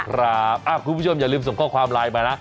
คุณผู้ชมอย่าลืมส่งข้อความไลน์มานะ